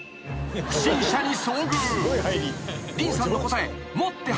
［不審者に遭遇］